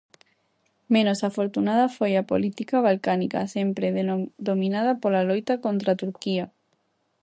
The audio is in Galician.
Menos afortunada foi a política balcánica, sempre dominada pola loita contra Turquía.